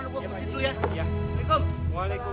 gua kesana gua kesini dulu ya